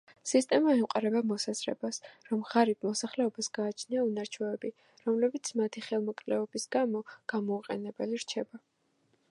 სისტემა ემყარება მოსაზრებას, რომ ღარიბ მოსახლეობას გააჩნია უნარ-ჩვევები, რომლებიც მათი ხელმოკლეობის გამო გამოუყენებელი რჩება.